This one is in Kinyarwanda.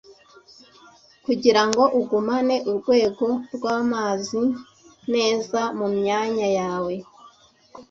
Kugirango ugumane urwego rwamazi neza mumyanya yawe